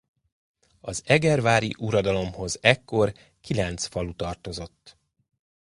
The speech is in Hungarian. Az egervári uradalomhoz ekkor kilenc falu tartozott.